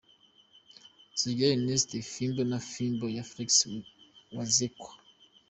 Sugira Ernest: Fimbo na fimbo ya Felix Wazekwa.